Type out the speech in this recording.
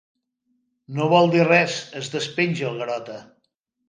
No vol dir res —es despenja el Garota—.